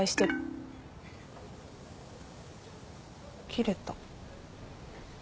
切れた。